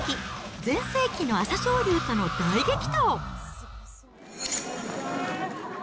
全盛期の朝青龍との大激闘！